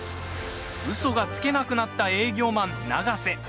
うそがつけなくなった営業マン永瀬。